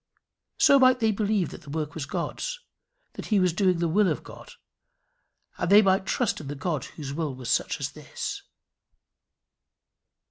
So might they believe that the work was God's, that he was doing the will of God, and that they might trust in the God whose will was such as this.